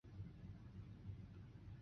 以应图谶。